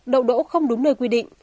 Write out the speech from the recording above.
đậu đỗ không đúng nơi quy định